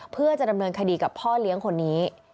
เพื่อจะดำเนินคดีกับพ่อเลี้ยงคนนี้